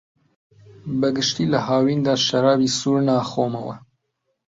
بەگشتی لە هاویندا شەرابی سوور ناخۆمەوە.